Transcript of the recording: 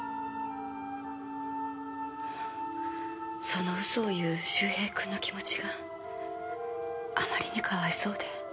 その嘘を言う周平君の気持ちがあまりにかわいそうで。